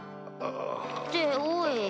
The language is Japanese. っておい。